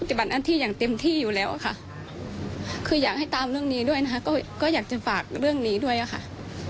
แต่ตอนนี้ยังไม่มีคำถามอยู่กันหรือเปล่า